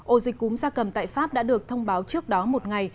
ổ dịch cúm da cầm tại pháp đã được thông báo trước đó một ngày